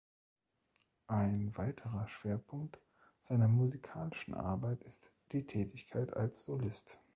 Ein weiterer Schwerpunkt seiner musikalischen Arbeit ist die Tätigkeit als Solist.